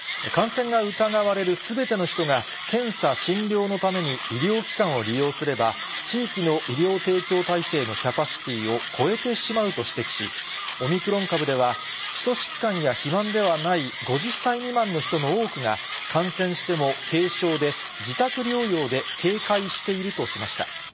感染が疑われるすべての人が、検査、診療のために医療機関を利用すれば、地域の医療提供体制のキャパシティーを超えてしまうと指摘し、オミクロン株では、基礎疾患や肥満ではない５０歳未満の人の多くが、感染しても軽症で、自宅療養で軽快しているとしました。